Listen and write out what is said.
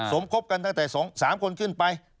สมคบกันตั้งแต่๓คนขึ้นไป